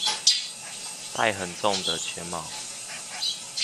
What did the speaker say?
戴很重的鉛帽